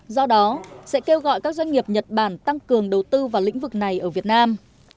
do đó sẽ kêu gọi các doanh nghiệp nhật bản tăng cường đầu tư vào lĩnh vực này ở việt nam